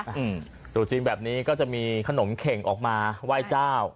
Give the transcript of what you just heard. อืมตรุษจีนแบบนี้ก็จะมีขนมเข่งออกมาไหว้เจ้า